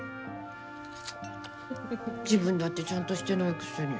自分だってちゃんとしてないくせに。